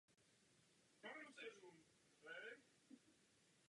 Název firmy je odvozen od slavného diamantu.